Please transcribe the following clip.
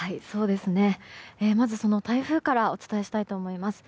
まず台風からお伝えしたいと思います。